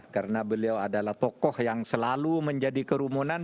karena beliau adalah tokoh yang selalu menjadi kerumunan